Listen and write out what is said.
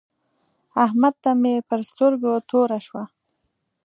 احمد ته مې پر سترګو توره شوه.